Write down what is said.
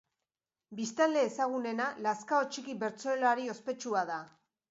Biztanle ezagunena Lazkao Txiki bertsolari ospetsua da.